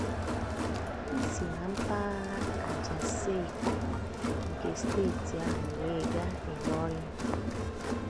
isi na mpaghara Ajase-Ipo nke steeti ahụ wee gaa Illorin